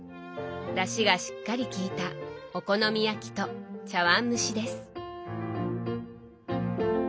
だしがしっかりきいたお好み焼きと茶碗蒸しです。